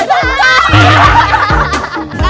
กรุงเทพค่ะ